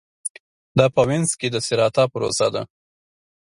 دا په وینز کې د سېراتا پروسه وه